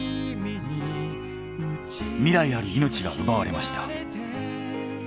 未来ある命が奪われました。